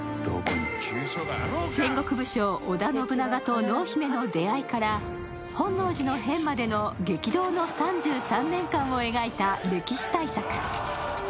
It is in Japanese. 戦国武将・織田信長と能姫の出会いから本能寺の変までの激動の３３年間を描いた歴史大作。